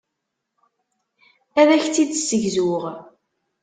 Ad ak-tt-id-ssegzuɣ.